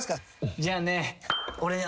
じゃあね俺。